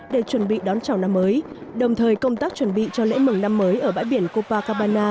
để chuẩn bị đón chào năm mới đồng thời công tác chuẩn bị cho lễ mừng năm mới ở bãi biển kopana